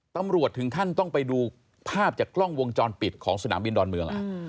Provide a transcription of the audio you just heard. ถึงขั้นต้องไปดูภาพจากกล้องวงจรปิดของสนามบินดอนเมือง